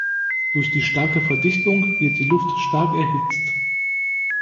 Durch die starke Verdichtung wird die Luft stark erhitzt.